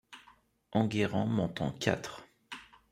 Enguerrand m’en tend quatre.